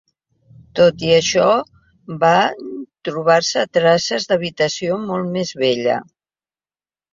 Tot i això, van trobar-se traces d'habitació molt més vella.